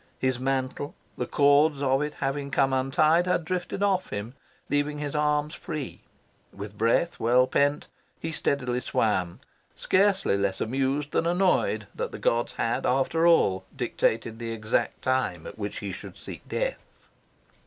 His mantle, the cords of it having come untied, had drifted off him, leaving his arms free. With breath well pent, he steadily swam, scarcely less amused than annoyed that the gods had, after all, dictated the exact time at which he should seek death.